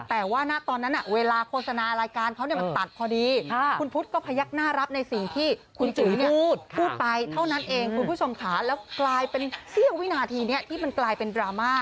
แต่ว่าณตอนนั้นเวลาโฆษณารายการเขาเนี่ยมันตัดพอดีคุณพุทธก็พยักหน้ารับในสิ่งที่คุณจุ๋ยพูดพูดไปเท่านั้นเองคุณผู้ชมค่ะแล้วกลายเป็นเสี้ยววินาทีนี้ที่มันกลายเป็นดราม่า